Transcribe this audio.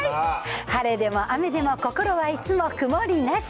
晴れでも雨でも心はいつも曇りなし。